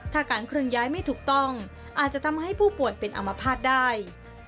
ถ้าการเคลื่อนย้ายไม่ถูกต้องอาจจะทำให้ผู้ป่วยเป็นอมภาษณ์ได้